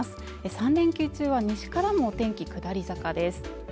３連休中は西からもお天気下り坂です